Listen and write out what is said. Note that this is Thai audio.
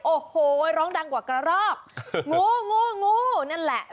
โอ้โหร้องดังกว่ากระรอกงูงูงูนั่นแหละ